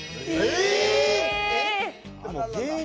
え